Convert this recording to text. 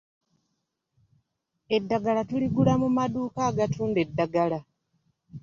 Eddagala tuligula mu maduuka agatunda eddagala.